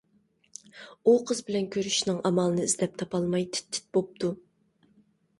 ئۇ قىز بىلەن كۆرۈشۈشنىڭ ئامالىنى ئىزدەپ تاپالماي تىت-تىت بوپتۇ.